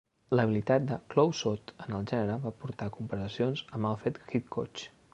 L'habilitat de Clouzot en el gènere va portar a comparacions amb Alfred Hitchcock.